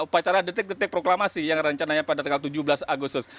upacara detik detik proklamasi yang rencananya pada tanggal tujuh belas agustus